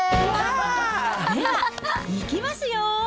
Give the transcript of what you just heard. では、いきますよ！